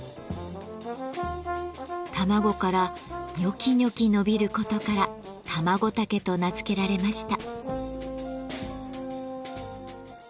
卵からニョキニョキ伸びることからタマゴタケと名付けられました。